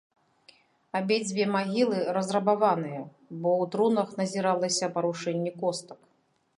Абедзве магілы разрабаваныя, бо ў трунах назіралася парушэнне костак.